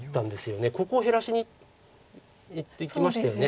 ここを減らしにいきましたよね